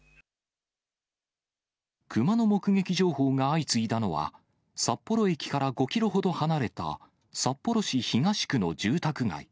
クマの目撃情報が相次いだのは、札幌駅から５キロほど離れた札幌市東区の住宅街。